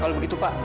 kalau begitu pak